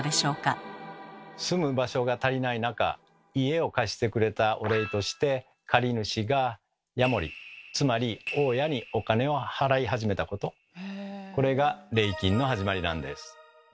住む場所が足りない中家を貸してくれたお礼として借り主が「家守」つまり大家にお金を払い始めたことこれが礼金の始まりなんです。